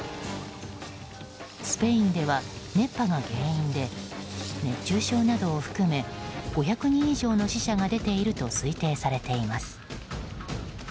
スペインでは熱波が原因で熱中症などを含め５００人以上の死者が出ていると推定されています。